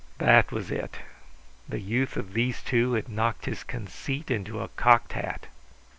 That was it the youth of these two had knocked his conceit into a cocked hat.